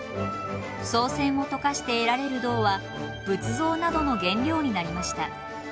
宋銭を溶かして得られる銅は仏像などの原料になりました。